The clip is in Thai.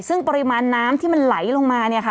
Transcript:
ซึ่งปริมาณน้ำที่มันไหลลงมา